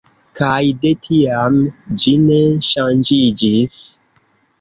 Kaj de tiam, ĝi ne ŝanĝiĝis.